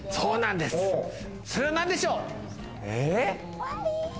それは何でしょう？